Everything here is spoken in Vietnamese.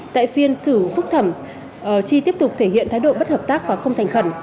tại phiên xử phúc thẩm chi tiếp tục thể hiện thái độ bất hợp tác và không thành khẩn